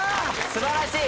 素晴らしい！